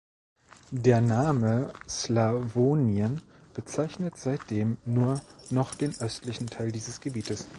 Der Name "Slawonien" bezeichnet seitdem nur noch den östlichen Teil dieses Gebietes.